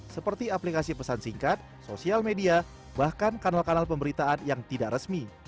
seperti aplikasi pesan singkat sosial media bahkan kanal kanal pemberitaan yang tidak resmi